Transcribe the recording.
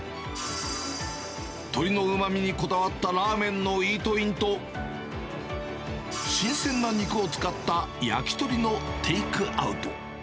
鶏のうまみにこだわったラーメンのイートインと、新鮮な肉を使った焼き鳥のテイクアウト。